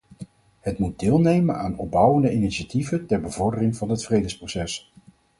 Het moet deelnemen aan opbouwende initiatieven ter bevordering van het vredesproces.